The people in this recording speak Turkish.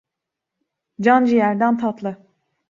Can ciğerden tatlı.